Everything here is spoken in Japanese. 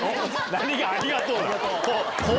何が「ありがとう」だ！